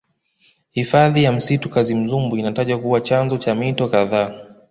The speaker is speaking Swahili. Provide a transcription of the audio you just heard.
hifadhi ya msitu kazimzumbwi inatajwa kuwa chanzo cha mito kadhaa